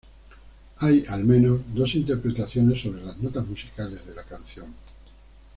Hay, al menos, dos interpretaciones sobre las notas musicales de la canción.